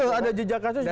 itu ada jejak kasus dan